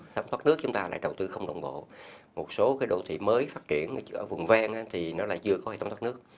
tấm thoát nước chúng ta lại đầu tư không động bộ một số đồ thị mới phát triển ở vùng ven thì nó lại chưa có tấm thoát nước